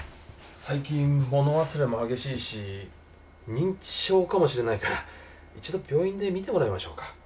最近物忘れも激しいし認知症かもしれないから一度病院で診てもらいましょうか。